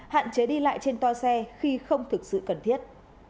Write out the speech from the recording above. hạn chế đi lại trên toa xe khi không thực sự cần thiết